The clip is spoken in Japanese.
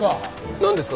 なんですか？